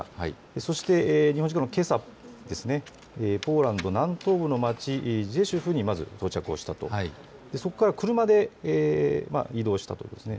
そして日本時間のけさ、ポーランド南東部の町ジェシュフにまず到着をしたとそこから車で、移動したということです。